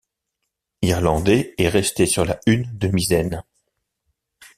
Irlandais est resté sur la hune de misaine.